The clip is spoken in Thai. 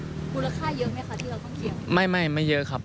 คุณราคาเยอะไหมคะที่เราต้องเคลียร์